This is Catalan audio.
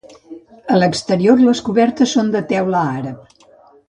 A l'exterior, les cobertes són de teula àrab.